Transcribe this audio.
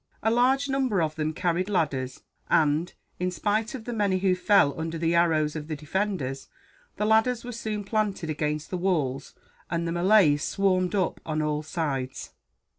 A large number of them carried ladders and, in spite of the many who fell under the arrows of the defenders, the ladders were soon planted against the walls; and the Malays swarmed up on all sides.